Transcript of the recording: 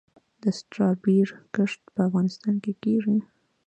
د سټرابیري کښت په افغانستان کې کیږي؟